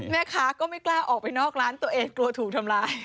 แม่ค้าก็ไม่กล้าออกไปนอกร้านตัวเองกลัวถูกทำร้าย